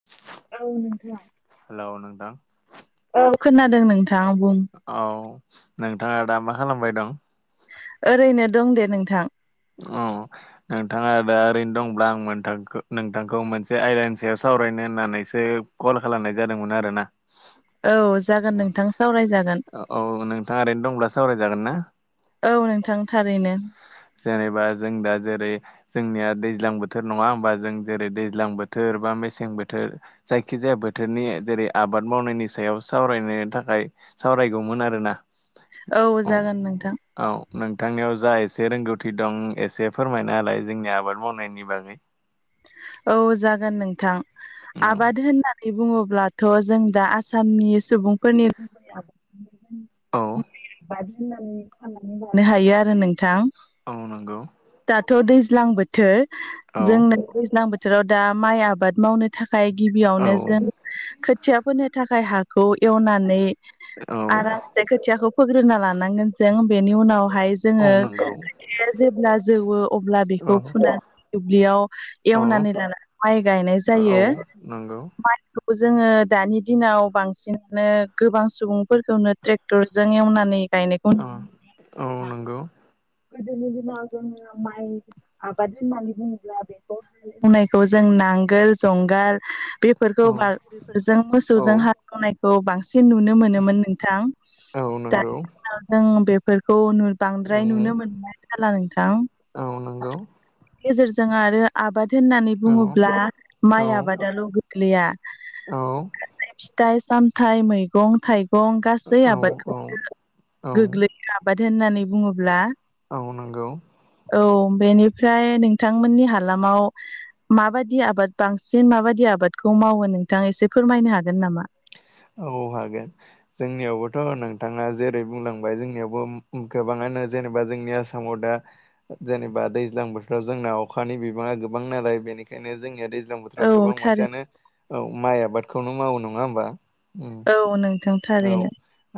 [inaudible] औ नोंथां हेल' नोंथां औ खोनादों नोंथां बुं औ नोंथाङा दा मा खालामबाय दं ओरैनो दं दे नोंथां [unintelligible] नोंथाङा दा ओरैनो दंब्ला आं मोनथां नोंथांखौ मोनसे आयदानि सायाव सावरायनो होननानैसो कल खालामनाय जादोंमोन आरो ना औ जागोन नोंथां सावरायजागोन औ नोंथाङा ओरैनो दंब्ला सावरायजागोन ना औ नोंथां थारैनो जेनेबा जों दा जेरै जोंनिया दैज्लां बोथोर नङा होमबा जों जेरै दैज्लां बोथोर बा मेसें बोथोर जायखिजाया बोथोरनि जेरै आबाद मावनायनि सायाव सावरायनो थाखाय सावरायगौमोन आरो ना औ जागोन नोंथां औ नोंथांनियाव जा एसे रोंगौथि दं एसे फोरमायना होलाय जोंनि आबाद मावनायनि बागै औ जागोन नोंथां आबाद होनना नै बुङोब्लाथ' जों दा आसामनि सुबुंफोरनि गुबै आबाद [unintelligible] औ होननानै साननानै लानो हायो आरो नोंथां औ नोंगौ दाथ' दैज्लां बोथोर औ जोंनो दैज्लां बोथोराव दा माइ आबाद मावनो थाखाय औ गिबियावनो जों खोथिया फोनो थाखाय हाखौ एवनानै औ आरामसे खोथियाखौ फोग्रोना लानांगोन जों बेनि उनावहाय जोङो औ नंगौ खोथियाया जेब्ला जौवो अब्ला औ बेखौ फुना दुब्लियाव औ एवनानै लाना माइ गायनाय जायो औ नंगौ माइखोबो जोङो दानि दिनाव बांसिनानो गोबां सुबुंफोरखौनो ट्रेक्टरजों एवनानै गायनायखौ औ नुनो औ मोनो नंगौ गोदोनि दिनाव जोङो माइ आबादनि [unintelligible] बुङोब्लाबो [unintelligible] नायखौ जों नांगोल जंगाल बेफोरखौ औ बा बेफोरजों औ मोसौजों हालेवनायखौ बां सिन नुनो मोनोमोन नोंथां औ दानि नंगौ दिनाव जों बेफोरखौ नु बांद्राय नुनो औ मोननाय जाला नोंथां नंगौ गेजेरजों आरो आबाद होननानै औ बुङोब्ला औ माइ आबादाल' गोगलैया औ फिथाइ सामथाइ मैगं थाइगं गासै औ आबादखौ औ गोग्लैयो आबाद होननानै बुङोब्ला औ नंगौ औ बेनिफ्राय नोंथांमोननि हालामाव माबादि आबाद बांसिन माबादि आबादखौ मावो नोंथाङा एसे फोरमायनो हागोन नामा औ हागोन जोंनियावबोथ' नोंथाङा जेरै बुंलांबाय जोंनियावबो गोबाङानो जेनेबा जोंनि आसाम साम' दा जेनेबा दैज्लां बोथोराव जोंना अखानि बिबाङा गोबां नालाय बेनिखायनो जोंनिया दै दैज्लां बोथोराव औ गोबां थारै मानसियानो माइ आबादखौनो मावो नङा होमबा औ नोंथां औ थारैनो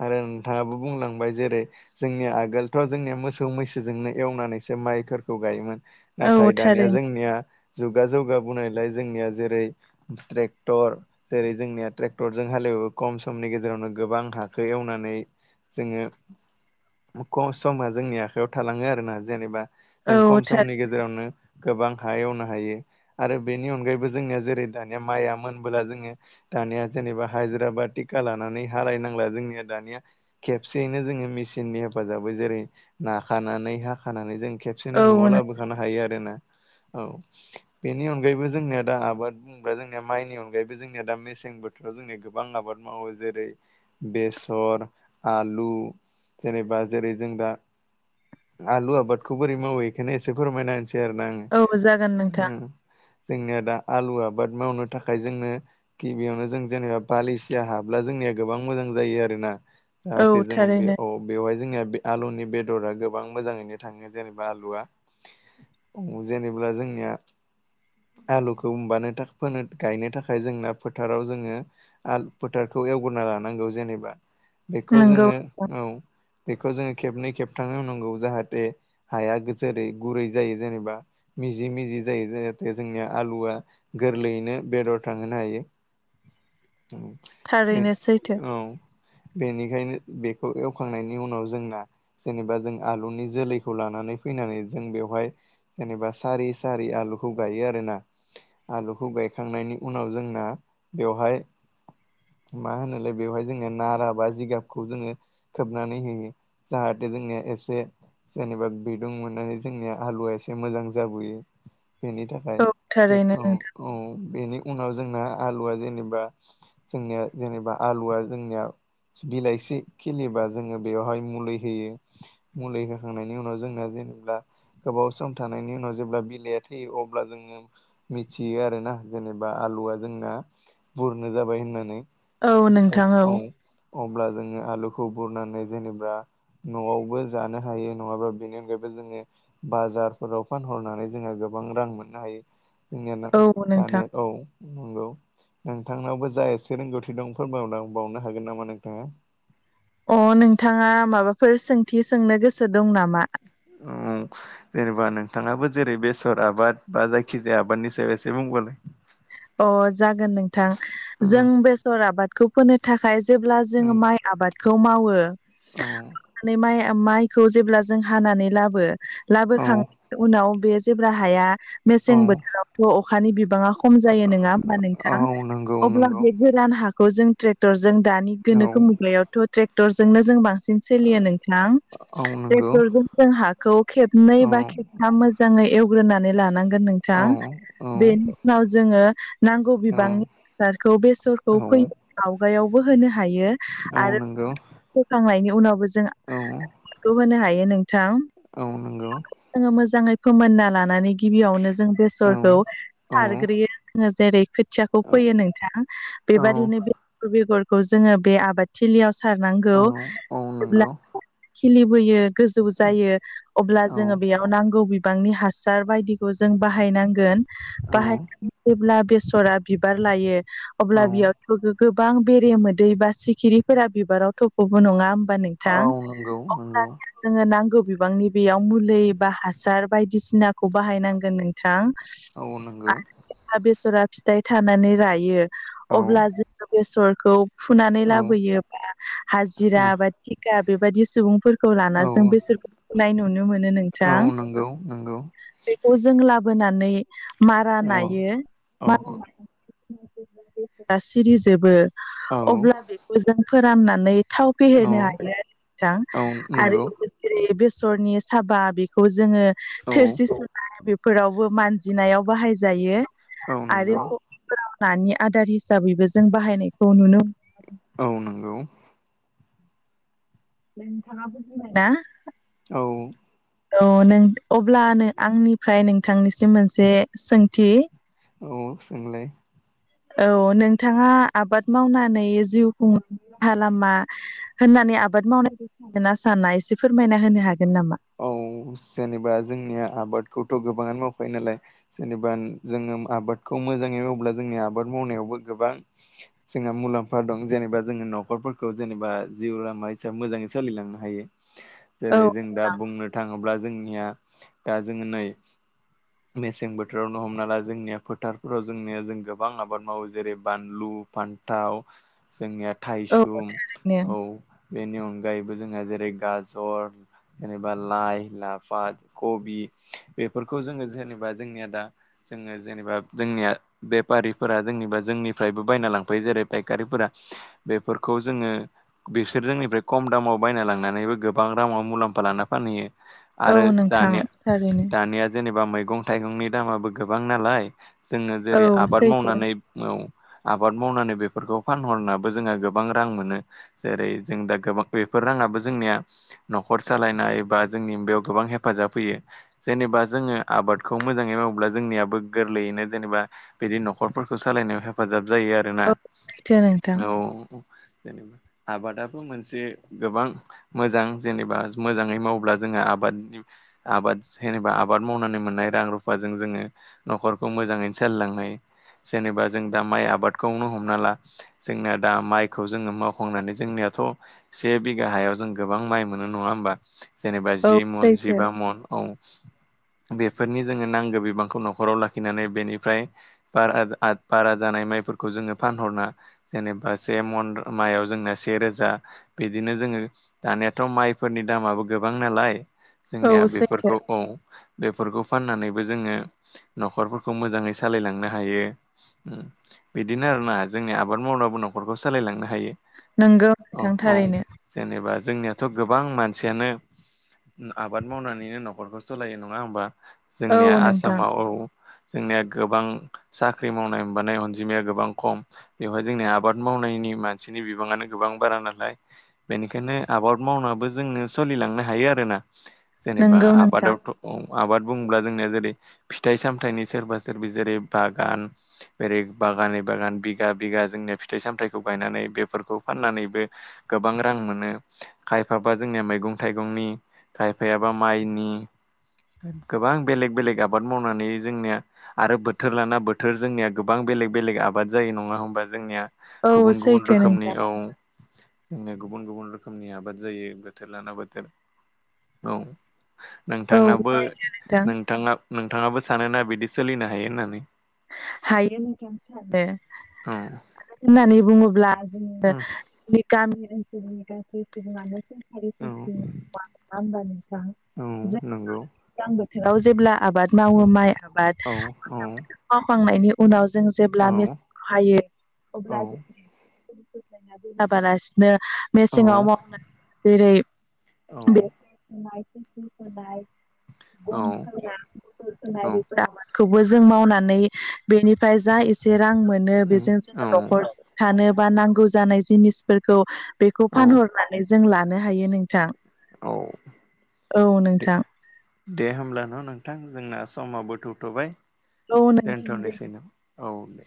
आरो नोंथाङाबो बुंलांबाय जेरै जोंनिया आगोलथ' जोंनिया मोसौ मैसोजोंनो एवनानैसो माइफोरखौ गायोमोन औ नाथाय दानिया थारैनो जोंनिया जुगा जौगाबोनायलाय जोंनिया जेरै ट्रेक्टर जेरै जोंनिया ट्रेक्टरजों हाल एवो खम समनि गेजेराव गेजेरावनो गोबां हाखौ एवनानै जोङो खम समा जोंनि आखायाव थालाङो आरो ना जेनेबा जों औ खम थार समनि गेजेराव जेरावनो गोबां हा एवनो हायो आरो बेनि अनगायैबो जोंनिया जेरै दानिया माइआ मोनबोला जोङो दानिया जेनेबा हाजिरा बा टिका लानानै हालायनांला जोंनिया दानिया खेबसेयैनो जोङो मेसिननि हेफाजाबै जेरै नाखानानै हाखानानै जों खेबसेनो औ न'आव लाबोखानो हायो आरोना औ बेनि अनगायैबो जोंनिया दा आबाद जोंनिया माइनि अनगायबो जोंनिया दा मेसें बोथोराव जोंनि गोबां आबाद मावो जेरै बेसर आलु जेनेबा जेरै जों दा आलु आबादखौ बोरै मावो बेखायनो एसे फोरमायना होनसै आरो ना औ जागोन नोंथां आङो जोंनिया दा आलु आबाद मावनो थाखाय जोंनो गिबियावनो जों जेनेबा बालिसिया हा अब्ला जोंनिया गोबां मोजां जायो आरोना औ जाहाथे जों बे थारैनो बेवहाय जोंनिया बे आलुनि बेदरा गोबां मोजाङैनो थाङो जेनेबा आलुआ जेनेबा जोंनिया आलुखौ होनबानो फोनो गायनो थाखाय जोंना फोथाराव जोङो आलु फोथारखौ एवग्रोनना लानांगौ जेनेबा बेखौ नंगौ जोङो औ बेखौ जोङो खेबनै खेबथाम एवनांगो जाहाथे हाया जेरै गुरै जायो जेनेबा मिजि मिजि जायो जाहाथे जोंनिया आलुआ गोरलैयैनो बेदर थांहोनो हायो औ बे थारैनो सैथो औ बेनिखायनो बेखौ एवखांनायनि उनाव जोंना जेनेबा जों आलुनि जोलैखौ लानानै फैनानै जों बेवहाय जेनेबा सारि सारि आलुखौ गायो आरो ना आलुखौ गायखांनायनि उनाव जोंना बेवहाय मा होनोलाय बेवहाय जोङो नारा बा जिगाबखौ जोङो खोबनानै होयो जाहाथे जोंनिया एसे जेनेबा बिदुं मोननानै जोंनिया हालुवा एसे मोजां जाबोयो बेनि थाखाय औ थारैनो औ नोंथां औ बेनि उनाव जोंना आलुआ जेनेबा जोंनिया जेनेबा आलुआ जोंनिया बिलाइसि खिलियोबा जोङो बेवहाय मुलि होयो मुलि होखांनायनि उनाव जोंना जेनेबा गोबाव सम थानायनि उनाव जेब्ला बिलाइया थैयो अब्ला जोङो मिथियो आरोना जेनेबा आलुआ जोंना बुरनो जाबाय होन नानै औ नोंथां औ अब्ला जोङो आलुखौ बुरनानै जेनेबा न'आवबो जानो हायो नङाबा बेनि अनगायैबो जोङो बाजारफोराव फानहरनानै जोङो गोबां रां मोननो हायो जोंनियानो औ नोंथां दानि औ नंगौ नोंथांनावबो जा रोंगौथि दं फोरमाय लांबावनो हागोन नामा नोंथाङा अ नोंथाङा माबाफोर सोंथि सोंनो गोसो दं नामा औ जेनेबा नोंथाङाबो जेरै बेसर आबाद बा जायखिजाया आबादनि सायाव एसे बुंबालाय अ जागोन नोंथां जों उम बेसर आबादखौ फोनो थाखाय जेब्ला जोङो माइ आबादखौ मावो औ मावनानै माइ माइखौ जेब्ला जों हानानै लाबो लाबोखांनायनि उनाव बे जेब्ला हाया औ मेसें बोथोरावथ' अखानि बिबाङा खम जायो नोङा होमबा नोंथां औ नंगौ अब्ला नंगौ बे गोरान हाखौ जों ट्रेक्टर जों दानि औ गोनोखो मुगायावथ' ट्रेक्टरजोंनो जों बांसिन सोलियो नोंथां औ नंगौ ट्रेक्टरजों जों हाखौ खेबनै औ बा खेबथाम मोज जाङै एवग्रोनानै लानांगोन औ नोंथां औ बेनि उनाव जोङो नांगौ औ बिबांनि सारखौ बेसरखौ फैनो औ आवगायावबो होनो हायो औ आरो नंगौ फोखांनायनि उनावबो जों औ बेखौ होनो हायो नोंथां औ नंगौ जोङो मोजाङै फोमोनना लानानै गिबियावनो जों औ बेसरखौ औ सारग्रोयो जेरै खोथियाखौ फैयो नोंथां औ बेबायादिनो [unintelligible] बेगर खौ जोङो बे आबादथिलियाव सारनांगौ औ औ जेब्ला नंगौ खिलिबोयो गोजौ जायो अब्ला औ जोङो बेयाव नांगौ बि बिबांनि हासार बायदिखौ जों बाहायनांगोन औ बाहाय जेब्ला बेसरा बिबार लायो अब्ला औ बेयाव गोबां बेरे मोदै बा सिखिरिफोरा बिबाराव थख'बो नङा बा नोंथां औ नंगौ अब्ला नंगौ जोङो नांगौ बिबांनि बेयाव मुलि बा हासार बायदिसिनाखौ बाहायनांगोन नोंथां औ नंगौ जहा बेसरा फिथाइ थानानै रायो औ अब्ला जोङो बेसरखौ फुनानै औ लाबोयो बा हाजिरा बा थिखा बेबायदि सुबुंफोर खौ लाना औ जों बेसरखौ फुनाय नुनो मोनो औ नोंथां नंगौ नंगौ बेखौ जों लाबोनानै मारा औ नायो मारा सिरिजोबो औ अब्ला बेखौ जों फोराननानै थाव औ फेहेरनो हायो नोंथां औ आरो नंगौ [unintelligible] बेसरनि साबा बेखौ जोङो औ थोरसि सुनाय बे फोरावबो मानजिनायाव बाहायजायो औ आरो नंगौ फोराव नानि आदार हिसाबैबो जों बाहायनायखौ नुनो औ नंगौ नोंथाङा बुजिदों ना औ औ नों अब्लानो आंनिफ्राय नोंथांनिसिम मोनसे सोंथि औ सोंलाय औ नोंथाङा आबाद मावनानै जिउ खुंनायनि राहा लामा होननानै आबाद मावनायखो सानोना साना एसे फोरमायना होनो हागोन नामा औ जेनेबा जोंनिया आबादखौथ' गोबाङानो मावफायो नालाय। जेनेबा जोङो आबादखौ मोजाङै माव्ला जोंनि आबाद मावनायावबो गोबां जोंहा मुलाम्फा दं जेनेबा जोङो न'खरफोरखौ जेनेबा जिउ लामा हिसाबै मोजाङै सोलिलांनो हायो। औ जेरै जों दा बुंनो थाङोब्ला जोंनिया दा जोङो नै मेसें बोथोरावनो हमना ला जोंनिया फोथारफोराव जोंनिया जों गोबां आबाद मावो जेरै बानलु फान थाव जोंनिया औ थाइसुम औ थारैनो बेनि अनगायैबो जोंहा जेरै गाजर जेनेबा लाइ लाफा कबि बेफोरखौ जोङो जेनेबा जोंनिया दा जोङो जेनेबा जोंनिया बेफारिफोरा जोंनिबा जोंनिफ्रायबो बायना लांफैयो जेरै फायखारिफोरा बेफोरखौ जोङो बिसोर जोंनिफ्राय खम दामाव बायना लांनानैबो गोबां रांवाव मुलामफा लाना फानहैयो आरो औ नोंथां दानिया थारैनो दानिया जेनेबा मैगं थाइगंनि दामाबो गोबां नालाय जोङो जेरै औ आबाद सैथो मावनानै औ आबाद मावनानै बेफोरखौ फानहरनाबो जोंहा गोबां रां मोनो। जेरै जों दा गोबां बेफोर राङाबो जोंनिया न'खर सालायनाय बा जोंनि बेयाव गोबां हेफाजाब होयो। जेनेबा जोङो आबादखौ मोजाङै मावोब्ला जोंनियाबो गोरलैयैनो जेनेबा बिदि न'खरफोरखौ सालायनायाव हेफाजाब जायो आरोना औ सैथो नोंथां औ जेनेबा आबादाबो मोनसे गोबां मोजां जेनेबा मोजाङै मावब्ला जोङो आबादनि आबाद जेनेबा आबाद मावनानै मोननाय रां रुफाजों जोङो न'खरखौ मोजाङैनो सलिलांहायो जेनेबा जों दा माइ आबादखौनो हमना ला जोंनाया दा माइखौ जोङो मावखांनानै जोंनियाथ' से बिघा हायाव जों गोबां माइ मोनो नङा होमबा जेनेबा जि औ मन सैथो जिबा मन। औ बेफोरनि जोङो नांगौ बिबांखौ न'खराव लाखिनानै बेनिफ्राय बारा बारा जानाय माइफोरखौ जोङो फानहरना जेनेबा से मन मायाव जोंना से रोजा। बिदिनो जोङो दानियाथ' माइफोरनि दामाबो गोबां नालाय औ जोंनिया सैथो बेफोरखौ औ बेफोरखौ फाननानैबो जोङो न'खरफोरखौ मोजाङै सालायलांनो हायो। बिदिनो आरोना जोंनि आबाद मावनाबो न'खरखौ सालायलांनो हायो। नोंगौ औ नोंथां औ थारैनो जेनेबा जोंनियाथ' गोबां माने सेनो आबाद मावनानैनो न'खरखौ सालायो नङा होमबा? औ जोंनिया नोंथां आसामाव औ जोंनिया गोबां साख्रि मावनाय हबानाय अनजिमाया गोबां खम। बेवहाय जोंनि आबाद मावनायनि मानसिनि बिबाङानो गोबां बारा नालाय। बेनिखायनो आबाद मावनाबो जोङो सोलिलांनो हायो आरोना जेनेबा नोंगौ नोंथां आबादावथ' औ आबाद बुङोब्ला जोंनिया जेरै फिथाइ सामथायाइनि सोरबा सोरबि जेरै बागान ओेरै बागानै बागान बिगा बिगा जोंनि फिथाइ सामथायाइखौ बायनानै बेफोरखौ फाननानैबो गोबां रां मोनो खायफाबा जोंनिया मै गं थाइगंनि खायफायाबा माइनि गोबां बेलेग बेलेग आबाद मावनानै जोंनिया आरो बोथोर लाना बोथोर जोंनिया गोबां बेलेग बेलेग आबाद जायो नङा होमबा जोंनिया औ गुबुन गुबुन सैथो नोंथां रोखोमनि औ गुबुन गुबुन रोखोमनि आबाद जायो। बोथोर लाना बोथोर औ औ नोंथां नोंथाङाबो नोंथाङा नोंथाङाबो सानोना बिदि सोलिनो हायो होननानै? हायो नोंथां सानो औ मानो होननानै बुङोब्ला जोङो जोंनि गामि ओनसोलनि गासै सुबुङानो [unintelligible] नङा औ होनबा नोंथां औ [unintelligible] नंगौ दैज्लां बोथोराव जेब्ला आबाद मावो औ माइ आबाद औ औ खांनायनि उनाव जों औ जेब्ला मि खायो औ अब्ला जों जों बोख्लायना दोनाबालासिनो बि औ मेसेङाव मावनाय जेरै बेसर थिसि फोनाय गम औ फोनाय बेफोर‌ आबाद खौबो जों मावनानै बेनिफ्राय जा एसे रां मोनो बेजों जोङो न'खर थानो बा नांगौ जानाय जिनिसफोरखौ बेखौ औ फानहरनानै जों लानो हायो नोंथां औ औ दे नोंथां दे होमब्ला न' नोंथां जोंना समाबो थौथ'बाय औ दोनथ'नोसै नों औ दे